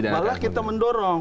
malah kita mendorong